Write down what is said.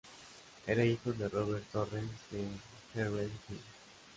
Era hijo de Robert Torrens de Hervey Hill.